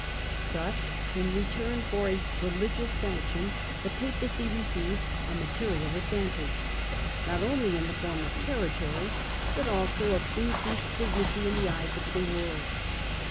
Thus, in return for a religious sanc tion, the Papacy received a material advantage, not only in the form of territory, but also of increased dignity in the eyes of the world.